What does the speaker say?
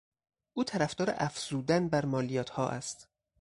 او طرفدار افزودن بر مالیاتها است.